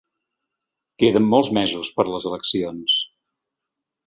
Queden molts mesos per les eleccions.